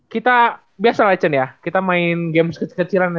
kita biasa lah echen ya kita main game kecil kecilan echen